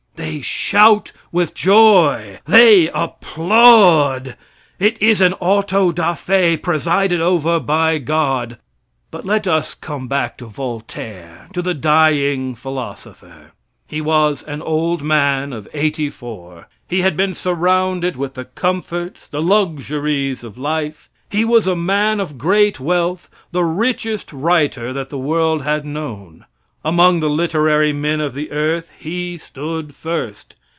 They shout with joy. They applaud. It is an auto da fe, presided over by God. But let us come back to Voltaire to the dying philosopher. He was an old man of 84. He had been surrounded with the comforts, the luxuries of life. He was a man of great wealth, the richest writer that the world had known. Among the literary men of the earth he stood first.